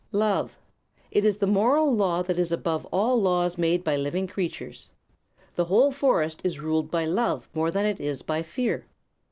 "Love. It is the moral law that is above all laws made by living creatures. The whole forest is ruled by love more than it is by fear.